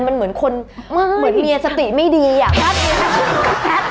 มันเหมือนคนเหมือนเมียสติไม่ดีอ่ะ